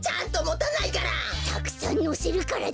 たくさんのせるからだろ！